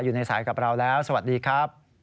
อยู่ในสายกับเราแล้วสวัสดีครับ